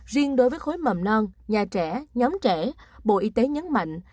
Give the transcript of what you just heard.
riêng đối với khối mầm non nhà trẻ nhóm trẻ bộ y tế nhấn mạnh